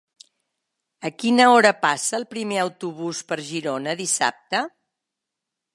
A quina hora passa el primer autobús per Girona dissabte?